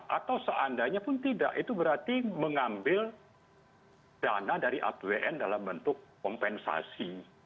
atau seandainya pun tidak itu berarti mengambil dana dari apbn dalam bentuk kompensasi